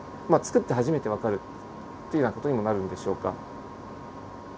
まあつくって初めてわかるっていうような事にもなるんでしょうか。